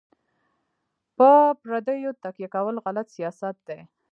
په پردیو تکیه کول غلط سیاست دی.